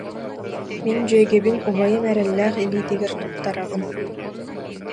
Мин дьүөгэбин убайым эрэллээх илиитигэр туттарабын